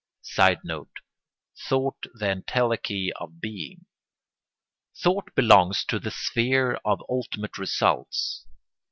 [Sidenote: Thought the entelechy of being.] Thought belongs to the sphere of ultimate results.